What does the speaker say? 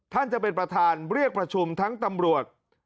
ท่านประธานจะเป็นประธานเรียกประชุมทั้งตำรวจ